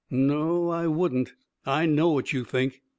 " No I wouldn't — I know what you think.